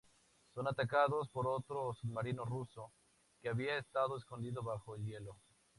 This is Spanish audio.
Son atacados por otro submarino ruso, que había estado escondido bajo el hielo.